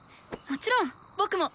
もちろん僕も。